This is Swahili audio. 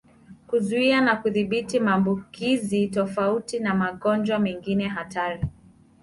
"Kuzuia na kudhibiti maambukizi tofauti na magonjwa mengine hatari"